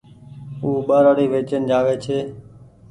او ٻآرآڙي ويچين جآوي ڇي